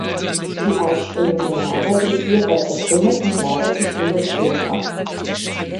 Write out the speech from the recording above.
Die ausströmende Lava wird hierbei zertrümmert und lagert sich um den Schlot ab.